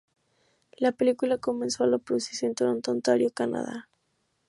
La película comenzó a producirse en Toronto, Ontario, Canadá.